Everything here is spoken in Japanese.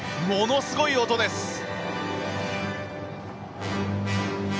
ものすごい音です。